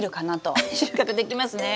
収穫できますね。